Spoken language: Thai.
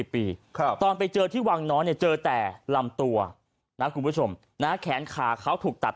ตอนไปเจอที่วังน้อยเนี่ยเจอแต่ลำตัวนะคุณผู้ชมนะแขนขาเขาถูกตัด